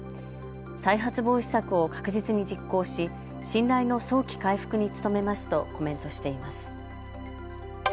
再発防止策を確実に実行し、信頼の早期回復に努めますとコメントしています。